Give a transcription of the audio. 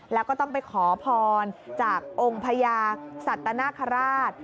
แล้วก็ต้องไปขอพรจากองค์พญาสัตนคราช